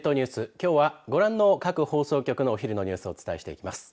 きょうはご覧の各放送局のお昼のニュースをお伝えしていきます。